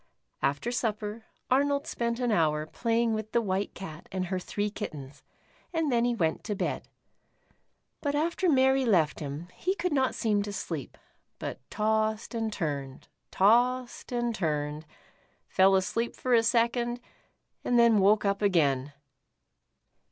After supper, Arnold spent an hour playing with the white cat and her three kittens, and then he went to bed. But after Mary left him, he could 1 62 The Iron DoQf. &' not seem to sleep, but tossed and turned, tossed and turned, fell asleep for a second, and then woke up again.